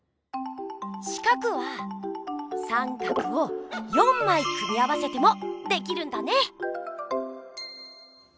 四角は三角を４まい組み合わせてもできるんだね！